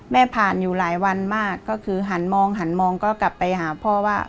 ผ่านอยู่หลายวันมากก็คือหันมองหันมองก็กลับไปหาพ่อว่า